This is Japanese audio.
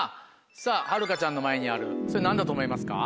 さぁはるかちゃんの前にあるそれ何だと思いますか？